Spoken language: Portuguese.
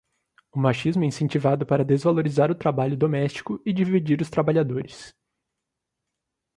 O machismo é incentivado para desvalorizar o trabalho doméstico e dividir os trabalhadores